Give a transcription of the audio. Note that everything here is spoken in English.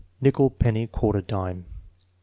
Nickel; penny; quarter; dime, 6.